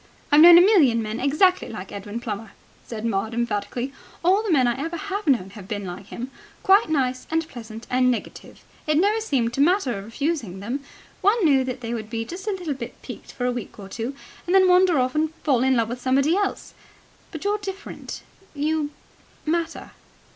"I've known a million men exactly like Edwin Plummer," said Maud emphatically. "All the men I ever have known have been like him quite nice and pleasant and negative. It never seemed to matter refusing them. One knew that they would be just a little bit piqued for a week or two and then wander off and fall in love with somebody else. But you're different. You ... matter."